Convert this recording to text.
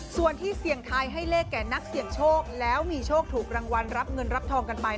ส่วนที่เสี่ยงทายให้เลขแก่นักเสี่ยงโชคแล้วมีโชคถูกรางวัลรับเงินรับทองกันไป